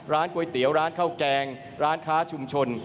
ก๋วยเตี๋ยวร้านข้าวแกงร้านค้าชุมชน